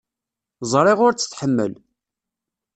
Ẓriɣ ur tt-tḥemmel.